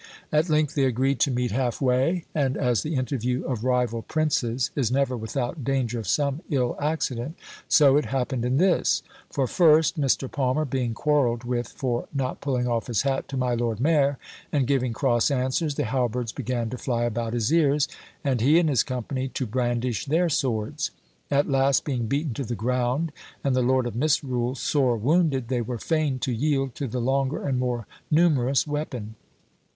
At length they agreed to meet half way; and, as the interview of rival princes is never without danger of some ill accident, so it happened in this: for first, Mr. Palmer being quarrelled with for not pulling off his hat to my Lord Mayor, and giving cross answers, the halberds began to fly about his ears, and he and his company to brandish their swords. At last being beaten to the ground, and the Lord of Misrule sore wounded, they were fain to yield to the longer and more numerous weapon.